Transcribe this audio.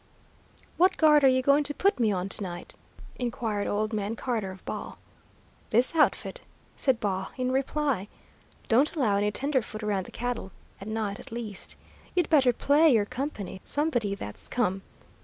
"What guard are you going to put me on to night?" inquired old man Carter of Baugh. "This outfit," said Baugh, in reply, "don't allow any tenderfoot around the cattle, at night, at least. You'd better play you're company; somebody that's come.